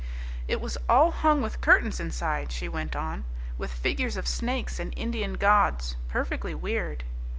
"It was all hung with curtains inside," she went on, "with figures of snakes and Indian gods, perfectly weird."